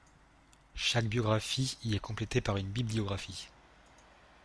Chaque biographie y est complétée par une bibliographie.